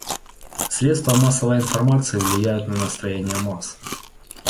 Средства массовой информации влияют на настроение масс.